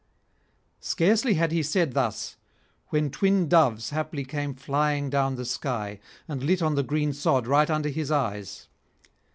Scarcely had he said thus, when twin doves haply came flying down the sky, and lit on the green sod right under his eyes.